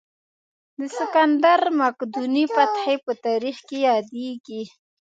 د سکندر مقدوني فتحې په تاریخ کې یادېږي.